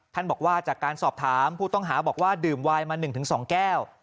บอกว่าจากการสอบถามผู้ต้องหาบอกว่าดื่มวายมา๑๒แก้ว